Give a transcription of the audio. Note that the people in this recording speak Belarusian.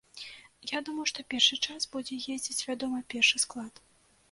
Я думаю што першы час будзе ездзіць, вядома, першы склад.